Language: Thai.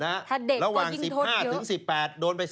ถ้าเด็กก็ยิ่งโทษเยอะระหว่าง๑๕ถึง๑๘โดนไป๑๕